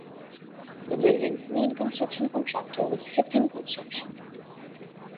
The buildings' main construction contractor was Hip Hing Construction.